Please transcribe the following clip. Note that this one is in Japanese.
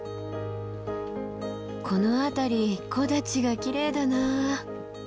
この辺り木立がきれいだな。